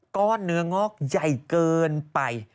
เนื้องอกใหญ่เกินไป